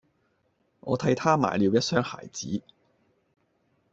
我替他買了一雙鞋子